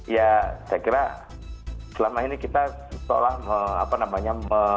ya saya kira selama ini kita seolah apa namanya